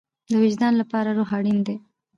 د وجدان لپاره روح اړین دی